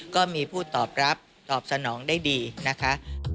ก็มีผู้ตอบรับตอบสนองได้ดีนะคะ